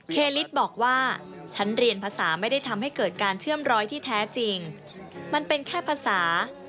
ลิสบอกว่าฉันเรียนภาษาไม่ได้ทำให้เกิดการเชื่อมร้อยที่แท้จริงมันเป็นแค่ภาษา